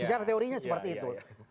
secara teorinya seperti itu